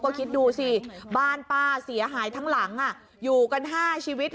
ก็คิดดูสิบ้านป้าเสียหายทั้งหลังอยู่กัน๕ชีวิต